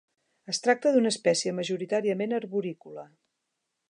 Es tracta d'una espècie majoritàriament arborícola.